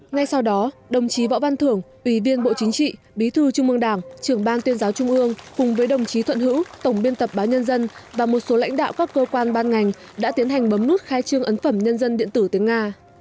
ngay sau đó đồng chí võ văn thưởng ủy viên bộ chính trị bí thư trung mương đảng trưởng ban tuyên giáo trung ương cùng với đồng chí thuận hữu tổng biên tập báo nhân dân và một số lãnh đạo các cơ quan ban ngành đã tiến hành bấm nút khai trương ấn phẩm nhân dân điện tử tiếng nga